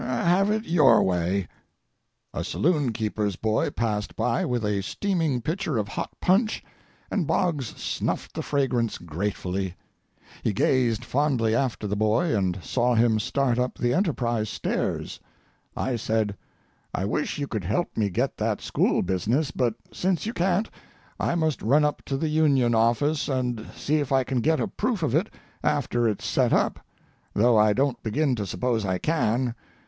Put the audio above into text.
"Have it your own way." A saloon keeper's boy passed by with a steaming pitcher of hot punch, and Boggs snuffed the fragrance gratefully. He gazed fondly after the boy, and saw him start up the Enterprise stairs. I said: "I wish you could help me get that school business, but since you can't, I must run up to the Union office and see if I can get a proof of it after it's set up, though I don't begin to suppose I can.